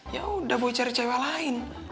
yaudah boy cari cewek lain